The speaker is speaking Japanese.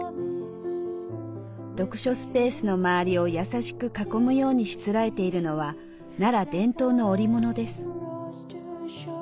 読書スペースの周りを優しく囲むようにしつらえているのは奈良伝統の織物です。